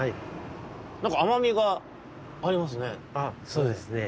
そうですね。